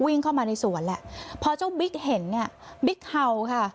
วิ่งเข้ามาในสวนแหละพอเจ้าบิ๊กเห็นเนี่ยบิ๊กเห่าค่ะ